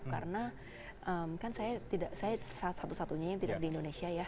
karena saya satu satunya yang tidak di indonesia